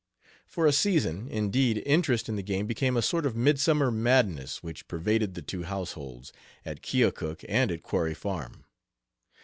For a season, indeed, interest in the game became a sort of midsummer madness which pervaded the two households, at Keokuk and at Quarry Farm.